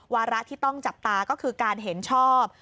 วาระที่ต้องจับตาก็คือการเห็นชอบ